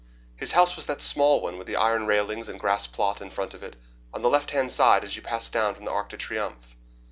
His house was that small one, with the iron railings and grass plot in front of it, on the left hand side as you pass down from the Arc de Triomphe.